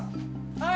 はい。